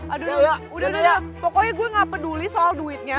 aduh udah naya pokoknya gue gak peduli soal duitnya